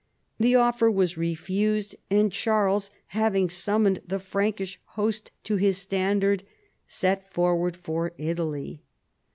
The offer was refused, and Charles having summoned the Prankish host to his standard, set forward for Italy.